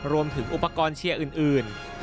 รวมถึงอุปกรณ์เชียร์อื่น